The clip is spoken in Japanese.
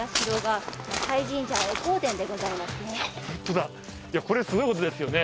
ホントだこれすごいことですよね。